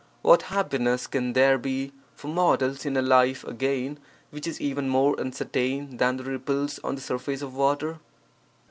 What happiness can there be for mortals in a life (again) which is even more uncertain than the ripples (on the surface) of water?